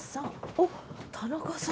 おっ田中さん。